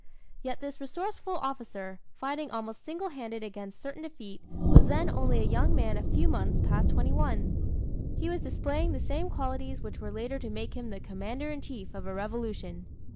Yet this resourceful officer, fighting almost single handed against certain defeat, was then only a young man a few months past twenty one. He was displaying the same qualities which were later to make him the commander in chief of a Revolution.